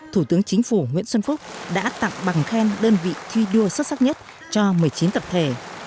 thủ tướng chính phủ nguyễn xuân phúc đã tặng bằng khen đơn vị thi đua xuất sắc nhất cho một mươi chín tập thể